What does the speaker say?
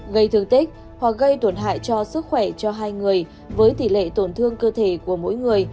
gây thương tích hoặc gây tổn hại cho sức khỏe cho hai người với tỷ lệ tổn thương cơ thể của mỗi người